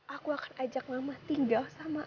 aku akan ajak mama tinggal bersama aku